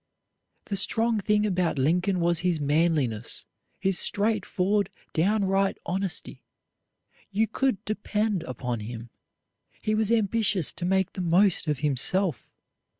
The strong thing about Lincoln was his manliness, his straightforward, downright honesty. You could depend upon him. He was ambitious to make the most of himself.